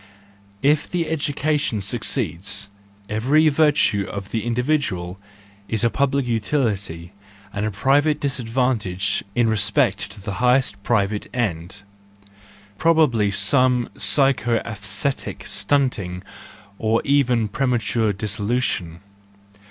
If the educa¬ tion succeeds, every virtue of the individual is a public utility, and a private disadvantage in respect to the highest private end,—probably some psycho sesthetic stunting, or even premature dissolution.